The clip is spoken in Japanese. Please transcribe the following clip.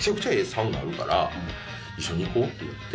サウナあるから一緒に行こうって言われて。